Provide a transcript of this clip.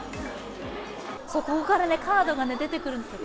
ここからカードが出てくるんですよ。